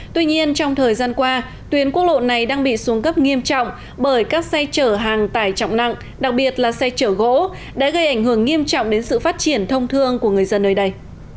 tuy nhiên trong thời gian qua tuyến quốc lộ này đang bị xuống cấp nghiêm trọng bởi các xe chở hàng tải trọng nặng đặc biệt là xe chở gỗ đã gây ảnh hưởng nghiêm trọng đến sự phát triển thông thương của người dân nơi đây